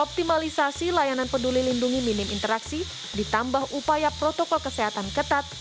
optimalisasi layanan peduli lindungi minim interaksi ditambah upaya protokol kesehatan ketat